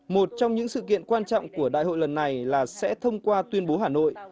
một trong những sự kiện quan trọng của đại hội lần này là sẽ thông qua tuyên bố hà nội